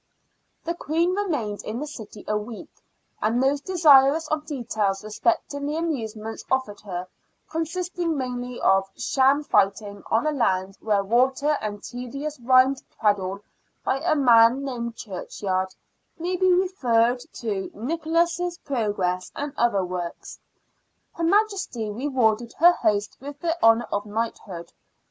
The Queen remained in the city a week, and those desirous of details respecting the amusements offered her, consisting mainly of sham fighting on land and water and tedious rhymed twaddle by a man named Churchyard, may be referred to Nichols's Progresses and other works. Her Majesty rewarded her host with the honour of knighthood.